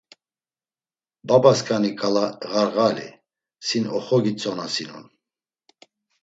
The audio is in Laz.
Babaskani k̆ala ğarğali, sin oxogitzonasinon.